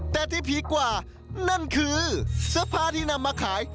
แต่ที่พีคกว่านั่นคือเสื้อผ้าที่นำมาขาย